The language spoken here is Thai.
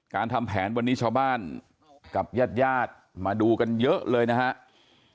ทำแผนวันนี้ชาวบ้านกับญาติญาติมาดูกันเยอะเลยนะครับ